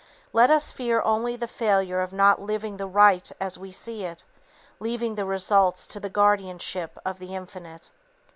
Let us fear only the failure of not living the right as we see it, leaving the results to the guardianship of the Infinite.